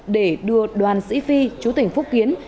để đưa đoàn sĩ phi chú tỉnh phúc kiến